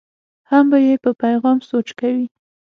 هم به یې په پیغام سوچ کوي.